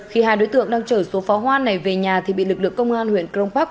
khi hai đối tượng đang chở số pháo hoa này về nhà thì bị lực lượng công an huyện crong park